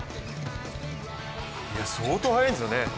相当速いんですよね。